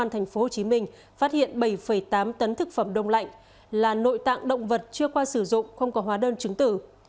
tp hcm phát hiện bảy tám tấn thực phẩm đông lạnh là nội tạng động vật chưa qua sử dụng không có hóa đơn chứng tử